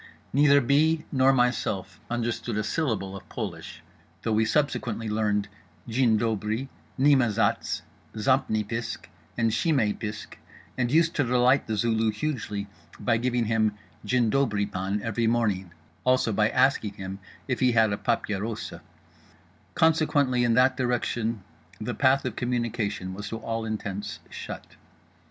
Neither B. nor myself understood a syllable of Polish (tho' we subsequently learned Jin dobri, nima Zatz, zampni pisk and shimay pisk, and used to delight The Zulu hugely by giving him "Jin dobri, pan" every morning, also by asking him if he had a "papierosa"); consequently in that direction the path of communication was to all intents shut.